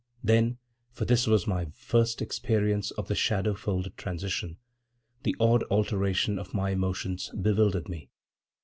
Then, for this was my first experience of the shadow folded transition, the odd alteration of my emotions bewildered me.